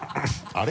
あれ？